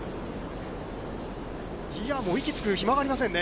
いやもう、息つく暇がありませんね。